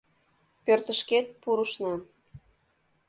Пӧртышкет пурышна